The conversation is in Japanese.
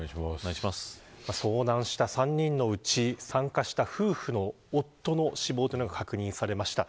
遭難した３人のうち参加した夫婦の夫の死亡が確認されました。